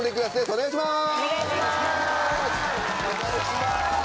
お願いします！